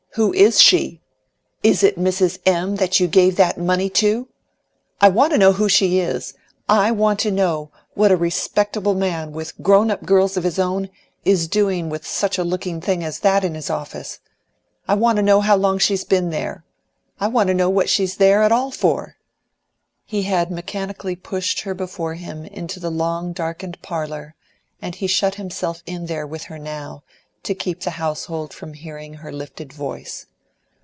Who is she? IS IT MRS. M. THAT YOU GAVE THAT MONEY TO? I want to know who she is! I want to know what a respectable man, with grown up girls of his own, is doing with such a looking thing as that in his office? I want to know how long she's been there? I want to know what she's there at all for?" He had mechanically pushed her before him into the long, darkened parlour, and he shut himself in there with her now, to keep the household from hearing her lifted voice.